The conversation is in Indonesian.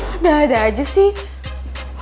ada ada aja sih